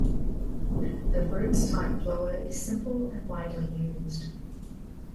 The Roots-type blower is simple and widely used.